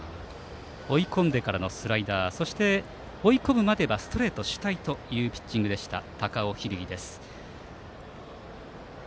追い込んでからのスライダー追い込むまではストレート主体のピッチングでした、高尾響。